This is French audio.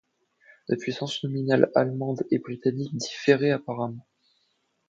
Des puissances nominales allemandes et britanniques différaient apparemment.